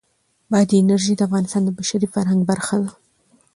بادي انرژي د افغانستان د بشري فرهنګ برخه ده.